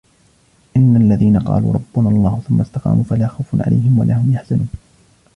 إن الذين قالوا ربنا الله ثم استقاموا فلا خوف عليهم ولا هم يحزنون